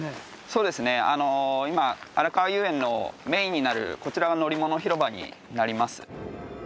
そうですねあの今あらかわ遊園のメインになるこちらがのりもの広場になります。